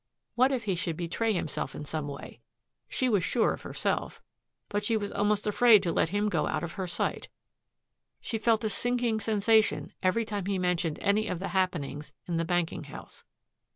What if he should betray himself in some way? She was sure of herself. But she was almost afraid to let him go out of her sight. She felt a sinking sensation every time he mentioned any of the happenings in the banking house.